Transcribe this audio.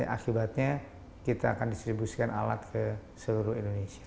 akibatnya kita akan distribusikan alat ke seluruh indonesia